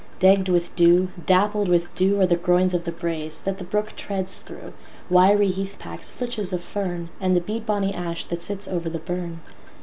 Degged with dew, dappled with dewAre the groins of the braes that the brook treads through, Wiry heathpacks, flitches of fern, And the beadbonny ash that sits over the burn.